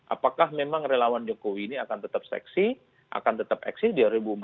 apakah memang relawan jokowi ini akan tetap seksi akan tetap eksis di dua ribu empat belas